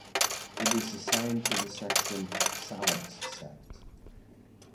It is assigned to the section "Salix" sect.